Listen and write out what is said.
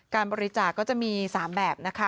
การบริจาคก็จะมี๓แบบนะคะ